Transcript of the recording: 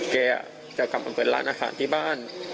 เกรจะก็พอคืนเลยไปบ้าน